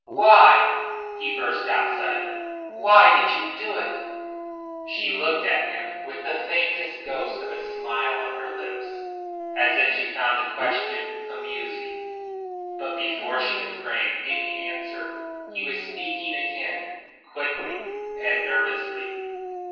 "Why," he burst out suddenly, "why did you do it?" She looked at him with the faintest ghost of a smile on her lips, as if she found the question amusing. But before she could frame any answer he was speaking again, quickly and nervously.